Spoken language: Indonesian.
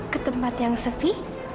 ketempat yang sepi